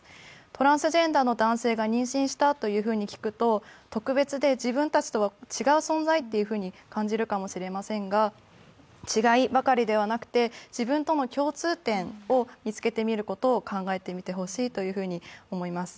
トランスジェンダーの男性が妊娠したと聞くと特別で、自分たちとは違う存在と感じるかもしれませんが、違いばかりではなくて、自分との共通点を見つけてみることを考えてみてほしいと思います。